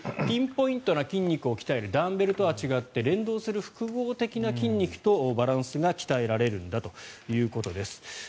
ピンポイントな筋肉を鍛えるダンベルとは違って連動する複合的な筋肉とバランスが鍛えられるんだということです。